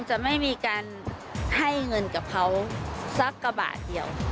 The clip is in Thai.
จะไม่มีการให้เงินกับเขาสักกระบาทเดียว